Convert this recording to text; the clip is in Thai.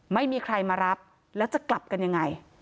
ไม่มีใครมารับแล้วจะกลับกันยังไง